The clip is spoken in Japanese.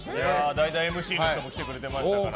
代打ＭＣの人も来てくれてましたから。